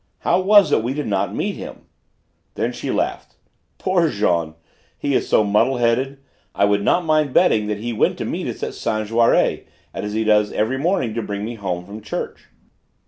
How was it we did not meet him?" Then she laughed. "Poor Jean! He is so muddle headed! I would not mind betting he went to meet us at Saint Jaury, as he does every morning to bring me home from church."